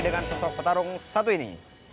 dengan sosok petarung satu ini